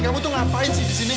kamu tuh ngapain si disini